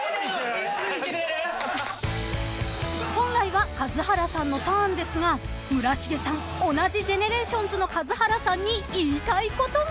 ［本来は数原さんのターンですが村重さん同じＧＥＮＥＲＡＴＩＯＮＳの数原さんに言いたいことが］